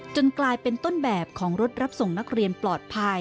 กลายเป็นต้นแบบของรถรับส่งนักเรียนปลอดภัย